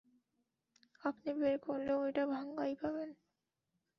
আপনি বের করলেও এটা ভাঙ্গাই পাবেন।